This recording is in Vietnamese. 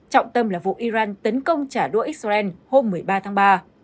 trọng tâm là vụ iran tấn công trả đũa israel hôm một mươi ba tháng ba